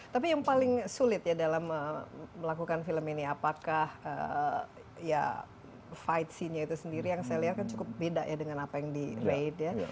tapi yang paling sulit ya dalam melakukan film ini apakah ya fight see nya itu sendiri yang saya lihat kan cukup beda ya dengan apa yang di rate ya